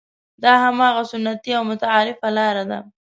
دا هماغه سنتي او متعارفه لاره ده.